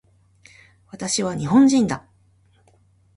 私は日本人だ